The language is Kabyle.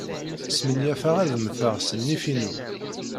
Smenyafeɣ ad mmteɣ s nnif-inu.